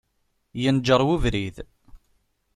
Yenǧer ubrid.